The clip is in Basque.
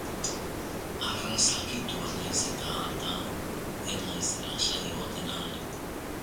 Arras akitua naiz eta alta, ez naiz lasai egoten ahal.